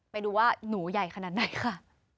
ไปดูว่าหนูใหญ่ขนาดไหนค่ะ